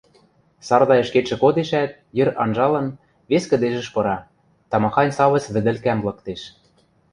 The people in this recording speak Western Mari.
Сардай ӹшкетшӹ кодешӓт, йӹр анжалын, вес кӹдежӹш пыра, тамахань савыц вӹдӹлкӓм лыктеш.